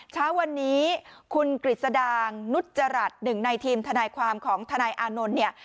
เช้าวันนี้คุณกฤษดางนุจจรัสหนึ่งในทีมทนายความของทนายอานนท์เนี่ย